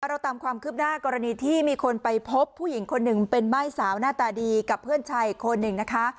เราตามความคืบหน้ากรณีที่มีคนไปพบผู้หญิงคนหนึ่งเป็นม่ายสาวหน้าตาดีกับเพื่อนชายอีกคนหนึ่งนะคะ